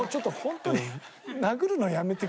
ホントに。